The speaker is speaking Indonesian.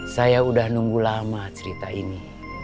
saya sudah nunggu lama cerita ini